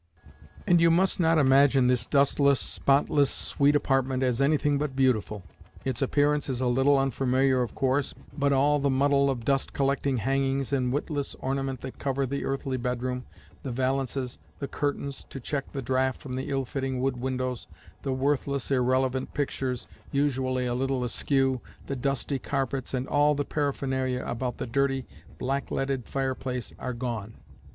And you must not imagine this dustless, spotless, sweet apartment as anything but beautiful. Its appearance is a little unfamiliar of course, but all the muddle of dust collecting hangings and witless ornament that cover the earthly bedroom, the valances, the curtains to check the draught from the ill fitting wood windows, the worthless irrelevant pictures, usually a little askew, the dusty carpets, and all the paraphernalia about the dirty, black leaded fireplace are gone.